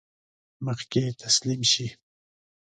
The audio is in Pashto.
مخکې تسلیم شي.